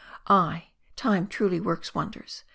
Ay, time truly works wonders.